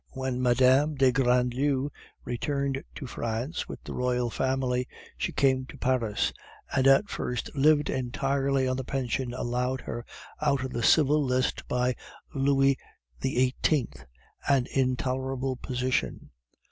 When Mme. de Grandlieu returned to France with the Royal family, she came to Paris, and at first lived entirely on the pension allowed her out of the Civil List by Louis XVIII. an intolerable position.